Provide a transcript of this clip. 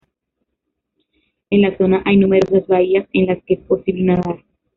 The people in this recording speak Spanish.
En la zona hay numerosas bahías en las que es posible nadar.